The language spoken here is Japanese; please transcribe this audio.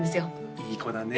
いい子だね